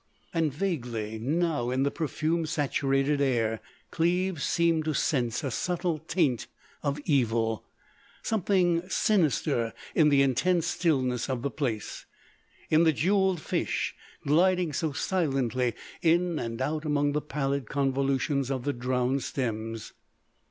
And vaguely, now, in the perfume saturated air, Cleves seemed to sense a subtle taint of evil,—something sinister in the intense stillness of the place—in the jewelled fish gliding so silently in and out among the pallid convolutions of the drowned stems.